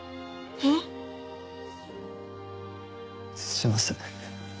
すいません。